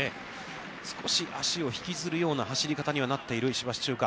少し足を引きずるような走り方になっている石橋チューカ。